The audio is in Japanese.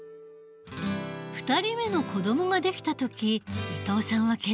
２人目の子どもが出来た時伊藤さんは決意した。